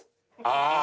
ああ！